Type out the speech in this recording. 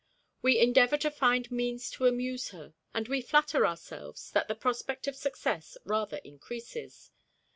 We endeavor to find means to amuse her; and we flatter ourselves that the prospect of success rather increases.